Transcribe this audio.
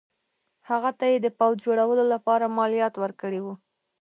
هغه ته یې د پوځ جوړولو لپاره مالیات ورکړي وو.